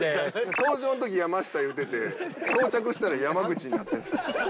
登場の時山下言うてて到着したら山口になって。